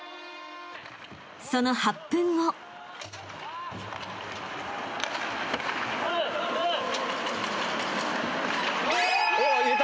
［その８分後］入れた！